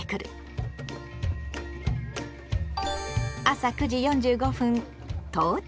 朝９時４５分到着。